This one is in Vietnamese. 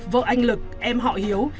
vợ anh lực em họ hiếu